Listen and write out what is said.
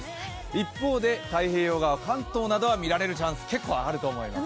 一方で、太平洋側、関東などは見られるチャンス、結構あると思います。